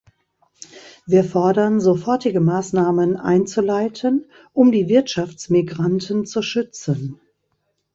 Wir fordern, sofortige Maßnahmen einzuleiten, um die Wirtschaftsmigranten zu schützen.